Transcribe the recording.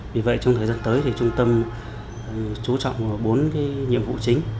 vì vậy trong thời gian tới trung tâm chú trọng bốn nhiệm vụ chính